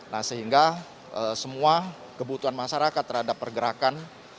nah sehingga semua kebutuhan masyarakat terhadap pergerakan